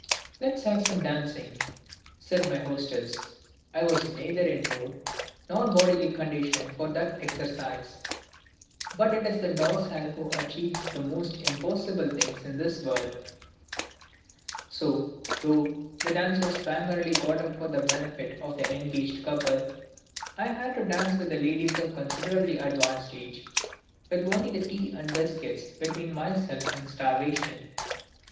"Let's have some dancing," said my hostess. I was neither in the mood nor bodily condition for that exercise. But it is the docile who achieve the most impossible things in this world; so, though the dance was primarily got up for the benefit of the engaged couple, I had to dance with the ladies of considerably advanced age, with only the tea and biscuits between myself and starvation.